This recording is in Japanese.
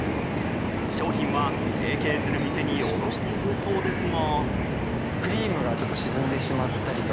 商品は、提携する店に卸しているそうですが。